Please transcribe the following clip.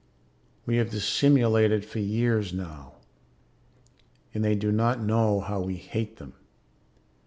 We have dissimulated for years now, and they do not know how we hate them.